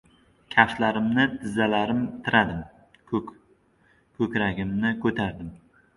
Kaftlarimni tizzalarim tiradim, ko‘kragimni ko‘tardim.